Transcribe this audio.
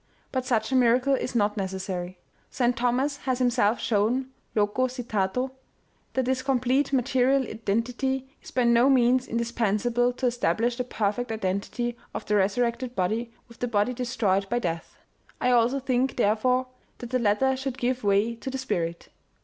But such a miracle is not necessary. St. Thomas has him self shown (loco citato) that this complete material identity is by no means indispensable to establish the perfect identity of the resurrected body with the body destroyed by death. I also think, therefore, that the letter should give way to the spirit.